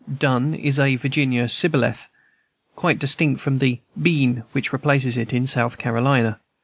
"Done" is a Virginia shibboleth, quite distinct from the "been" which replaces it in South Carolina.